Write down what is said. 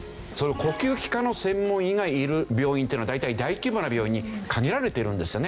呼吸器科の専門医がいる病院というのは大体大規模な病院に限られているんですよね。